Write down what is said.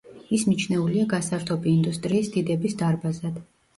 ის მიჩნეულია გასართობი ინდუსტრიის დიდების დარბაზად.